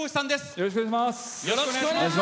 よろしくお願いします。